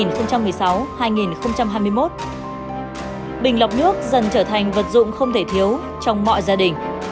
trong năm hai nghìn một mươi sáu hai nghìn hai mươi một bình lọc nước dần trở thành vật dụng không thể thiếu trong mọi gia đình